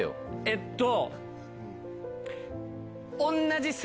えっと。